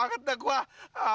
itu adi tuh